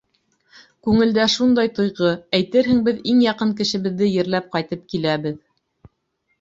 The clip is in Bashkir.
Күңелдә шундай тойғо: әйтерһең, беҙ иң яҡын кешебеҙҙе ерләп ҡайтып киләбеҙ.